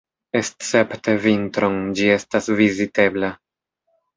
Escepte vintron ĝi estas vizitebla.